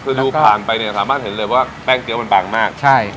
คือดูผ่านไปเนี่ยสามารถเห็นเลยว่าแป้งเตี๊มันบางมากใช่